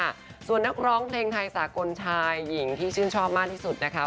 ค่ะส่วนนักร้องเพลงไทยสากลชายหญิงที่ชื่นชอบมากที่สุดนะคะ